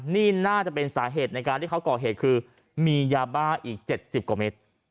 นี่น่าจะเป็นสาเหตุในการที่เขาก่อเหตุคือมียาบ้าอีก๗๐กว่าเมตร